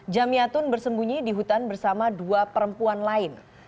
jamiatun bersembunyi di hutan bersama dua perempuan lain